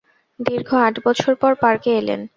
দীর্ঘ আট বছর পর পার্কে এলেন।